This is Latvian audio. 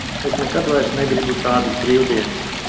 Es nekad vairs negribu tādas brīvdienas.